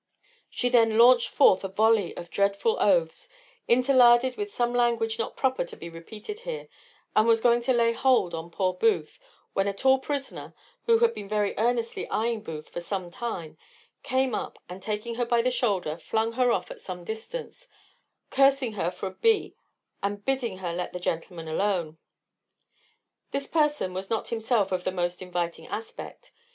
She then launched forth a volley of dreadful oaths, interlarded with some language not proper to be repeated here, and was going to lay hold on poor Booth, when a tall prisoner, who had been very earnestly eying Booth for some time, came up, and, taking her by the shoulder, flung her off at some distance, cursing her for a b h, and bidding her let the gentleman alone. This person was not himself of the most inviting aspect.